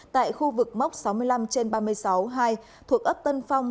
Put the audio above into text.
tại khu vực móc sáu mươi năm trên ba mươi sáu hai thuộc ấp tân phong